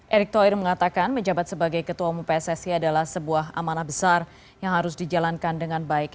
erick thohir mengatakan menjabat sebagai ketua umum pssi adalah sebuah amanah besar yang harus dijalankan dengan baik